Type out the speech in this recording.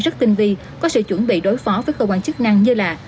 rất tinh vi có sự chuẩn bị đối phó với cơ quan chức năng như là